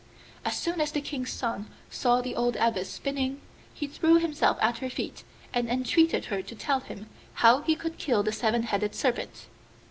As soon as the King's son saw the old Abbess spinning he threw himself at her feet and entreated her to tell him how he could kill the Seven headed Serpent.